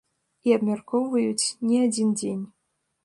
І абмяркоўваюць не адзін дзень.